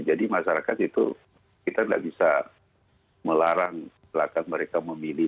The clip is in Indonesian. jadi masyarakat itu kita tidak bisa melarang mereka memilih